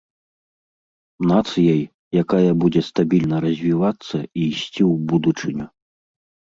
Нацыяй, якая будзе стабільна развівацца і ісці ў будучыню.